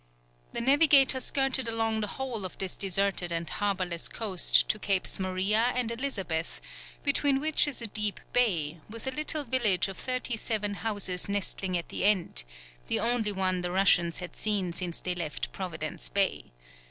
The navigator skirted along the whole of this deserted and harbourless coast to Capes Maria and Elizabeth, between which is a deep bay, with a little village of thirty seven houses nestling at the end, the only one the Russians had seen since they left Providence Bay.